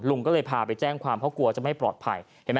ลุงก็เลยพาไปแจ้งความเพราะกลัวจะไม่ปลอดภัยเห็นไหม